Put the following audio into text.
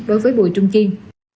đối với bùi trung kiên